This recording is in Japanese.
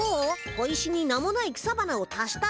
小石に名もない草花を足したんだ。